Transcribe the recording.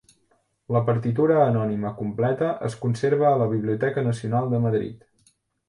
La partitura anònima completa es conserva a la Biblioteca Nacional de Madrid.